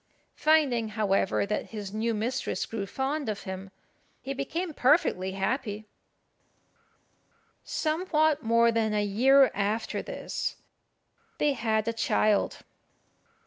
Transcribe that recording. Finding, however, that his new mistress grew fond of him, he became perfectly happy. Somewhat more than a year after this they had a child.